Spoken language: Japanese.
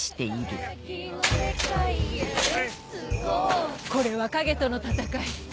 ごうこれは影との戦い。